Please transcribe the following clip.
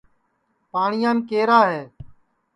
پاٹٹؔیام کیرا ہے